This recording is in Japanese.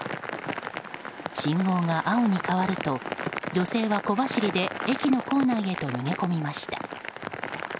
信号が青に変わると女性は小走りで駅の構内へと逃げ込みました。